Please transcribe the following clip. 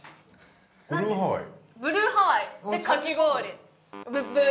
ブルーハワイでかき氷ブブー！